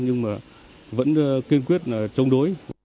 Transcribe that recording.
nhưng mà vẫn kiên quyết chống đối